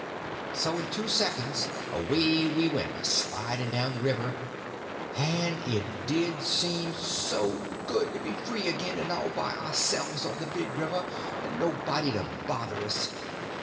So in two seconds away we went a sliding down the river, and it did seem so good to be free again and all by ourselves on the big river, and nobody to bother us.